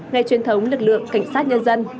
ngày truyền thống lực lượng cảnh sát nhân dân